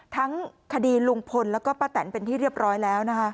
ทั้งคดีลุงพลแล้วก็ป้าแตนเป็นที่เรียบร้อยแล้วนะคะ